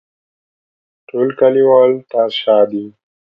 ټول کلیوال تر شا دي.